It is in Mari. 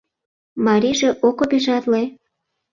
Марийже ок обижатле?